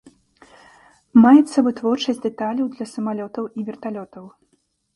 Маецца вытворчасць дэталяў для самалётаў і верталётаў.